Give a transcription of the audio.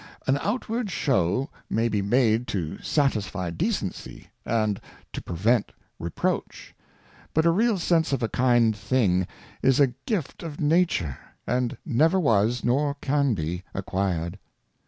An outward Shew j may be made to satisfy Decency, and to prevent Reproach ;| but a real Sense of a kind thing is a Gift of Nature, and never \ was, nor can be acquired.